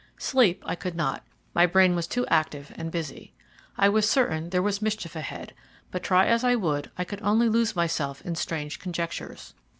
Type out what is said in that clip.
Sleep I could not, my brain was too active and busy. I was certain there was mischief ahead, but try as I would I could only lose myself in strange conjectures.